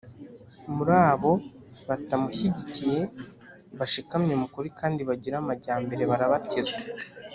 Muri abo batamushyigikiye bashikamye mu kuri kandi bagira amajyambere barabatizwa